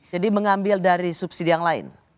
jadi mengambil dari subsidi yang lain